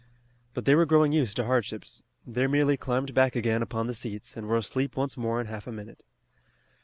But they were growing used to hardships. They merely climbed back again upon the seats, and were asleep once more in half a minute.